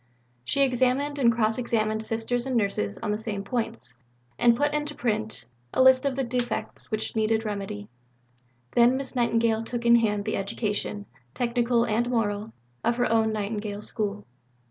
She examined and cross examined Sisters and Nurses on the same points, and put into print a list of the defects which needed remedy. Then Miss Nightingale took in hand the education, technical and moral, of her own Nightingale School.